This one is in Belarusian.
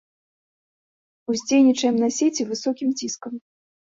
Уздзейнічаем на сеці высокім ціскам.